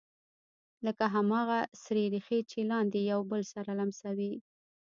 لکه هماغه سرې ریښې چې لاندې یو بل سره لمسوي